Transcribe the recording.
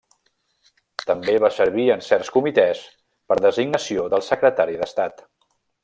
També va servir en certs comitès per designació del secretari d'Estat.